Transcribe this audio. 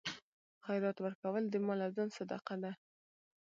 خیرات ورکول د مال او ځان صدقه ده.